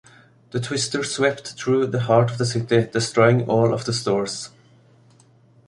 The twister swept through the heart of the city, destroying all of the stores.